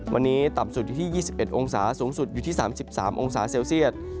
วันนี้ต่ำสุดอยู่ที่ยี่สิบเอ็ดองศาสูงสุดอยู่ที่สามสิบสามองศาเซลเซียต